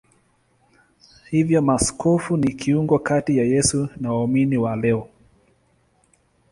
Hivyo maaskofu ni kiungo kati ya Yesu na waumini wa leo.